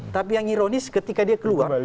tapi yang ironis ketika dia keluar